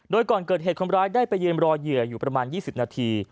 โดยก่อนเกิดเหตุคนร้ายได้ไปยืนรอเหยื่ออยู่ประมาณ๒๐นาที